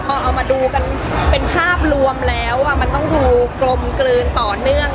พอเอามาดูกันเป็นภาพรวมแล้วมันต้องดูกลมกลืนต่อเนื่อง